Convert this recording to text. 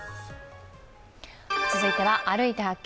続いては「歩いて発見！